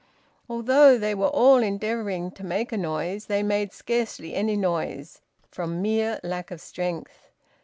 Although they were all endeavouring to make a noise they made scarcely any noise, from mere lack of strength.